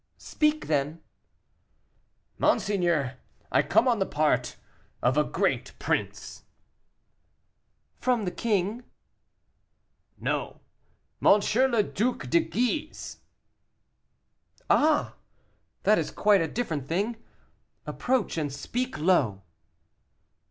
"Speak, then." "Monseigneur, I come on the part of a great prince." "From the king?" "No; M. le Duc de Guise." "Ah! that is quite a different thing. Approach, and speak low."